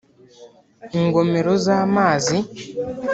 ingomero z’amazi